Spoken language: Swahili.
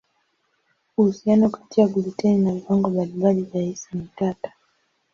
Uhusiano kati ya gluteni na viwango mbalimbali vya hisi ni tata.